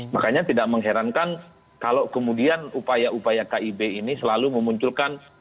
makanya tidak mengherankan kalau kemudian upaya upaya kib ini selalu memunculkan